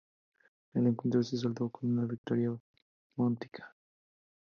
El encuentro se saldó con una victoria póntica.